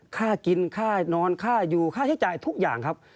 ค่ากินค่านอนค่าอยู่ค่าใช้จ่ายทุกอย่างครับ